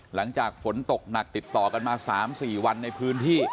หลังจากฝนตกหนักติดต่อกันมา๓๔วันในพื้นที่